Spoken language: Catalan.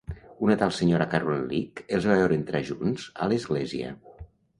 Una tal senyora Caroline Leak els va veure entrar junts a l'església.